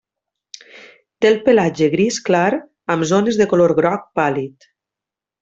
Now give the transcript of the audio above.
Té el pelatge gris clar amb zones de color groc pàl·lid.